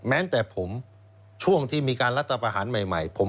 แม้แต่ผม